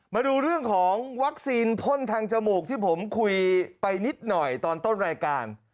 มาดูเรื่องของวัคซีนพ่นทางจมูกที่ผมคุยไปนิดหน่อยตอนต้นรายการ